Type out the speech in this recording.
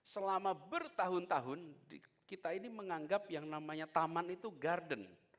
selama bertahun tahun kita ini menganggap yang namanya taman itu garden